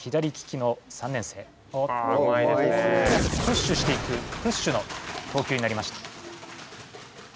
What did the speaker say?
プッシュしていくプッシュの投球になりました。